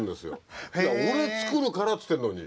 俺作るからっつってんのに。